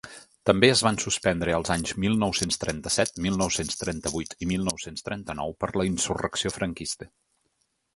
També es van suspendre els anys mil nou-cents trenta-set, mil nou-cents trenta-vuit i mil nou-cents trenta-nou per la insurrecció franquista.